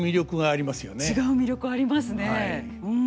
違う魅力ありますねうん。